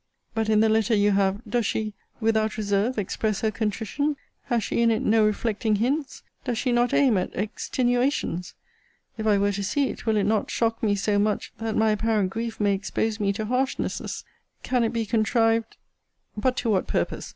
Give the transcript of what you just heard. But, in the letter you have, does she, without reserve, express her contrition? Has she in it no reflecting hints? Does she not aim at extenuations? If I were to see it, will it not shock me so much, that my apparent grief may expose me to harshnesses? Can it be contrived But to what purpose?